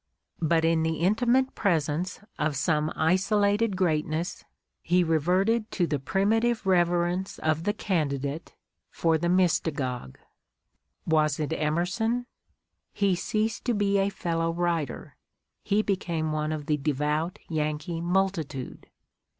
But in the inti mate presence of some isolated greatness he reverted to the primitive reverence of the candidate for the mysta gogue. Was it Emerson? He ceased to be a fellow writer, he became one of the devout Yankee multitude.